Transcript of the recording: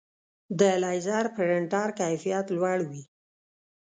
د لیزر پرنټر کیفیت لوړ وي.